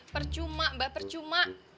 percuma mbak percuma